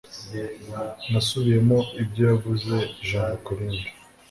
nasubiyemo ibyo yavuze ijambo ku rindi